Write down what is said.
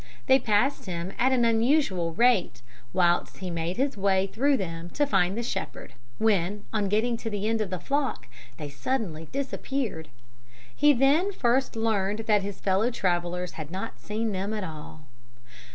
They passed him at an unusual rate, whilst he made his way through them to find the shepherd; when, on getting to the end of the flock, they suddenly disappeared. He then first learnt that his fellow travellers had not seen them at all."